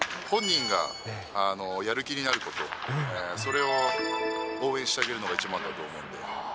本人がやる気になること、それを応援してあげるのが一番だと思うんで。